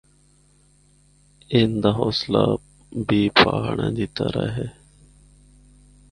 ان دا حوصلہ بھی پہاڑاں دی طرح ہوندا اے۔